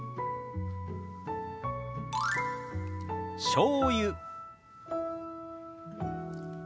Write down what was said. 「しょうゆ」。